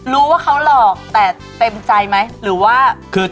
ลูกว่าเขาหลอกแต่เต็มใจไหม